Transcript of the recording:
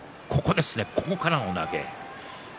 ここからの投げ。